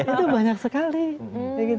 itu banyak sekali